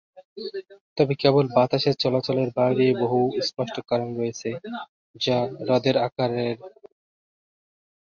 তবে কেবল বাতাসের চলাচলের বাইরেও বহু স্পষ্ট কারণ রয়েছে যা হ্রদের আকারে অবদান রাখে।